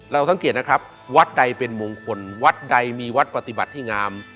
สังเกตนะครับวัดใดเป็นมงคลวัดใดมีวัดปฏิบัติให้งาม